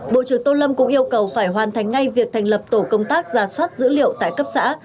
bộ trưởng tô lâm cũng yêu cầu phải hoàn thành ngay việc thành lập tổ công tác ra soát dữ liệu tại cấp xã